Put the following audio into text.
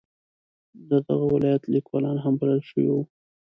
د دغه ولایت لیکوالان هم بلل شوي وو.